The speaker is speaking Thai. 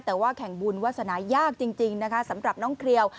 แต่ว่าแข่งบุญวาสนายากจริงนะคะสำหรับน้องเครียว